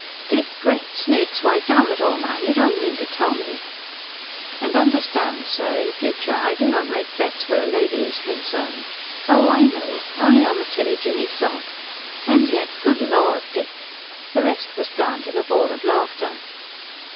"Dick! Great Snakes! Why, damn it all, man, you don't mean to tell me...." "And understand, sir, in future, that I do not make bets where a lady is concerned." "Oh, I know only on the Tilly Jinny sort. And yet good Lord, Dick!" the rest was drowned in a bawl of laughter.